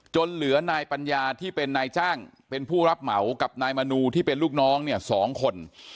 เหลือนายปัญญาที่เป็นนายจ้างเป็นผู้รับเหมากับนายมนูที่เป็นลูกน้องเนี่ย๒คน